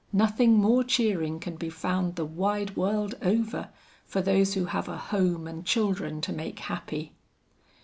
Nothing more cheering can be found the wide world over, for those who have a home and children to make happy."